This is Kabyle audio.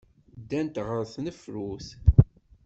Ddant ɣer tnefrut.